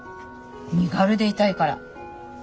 身軽でいたいから。